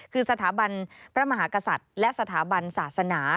คือสถาบันพระมหากษัตริย์และสถาบันศาสนา